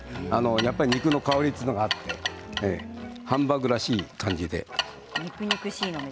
やっぱり肉の香りがあってハンバーグらしい感じで。